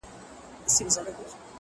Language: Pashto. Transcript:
o د آتشي غرو د سکروټو د لاوا لوري؛